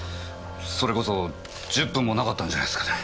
それこそ１０分もなかったんじゃないですかね。